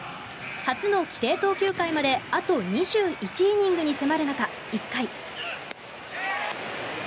初の規定投球回まであと２１イニングに迫る中１回。